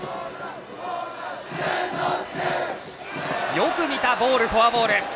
よく見た、フォアボール。